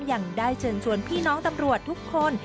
ยังได้เชิญชวนพี่น้องตำรวจทุกคน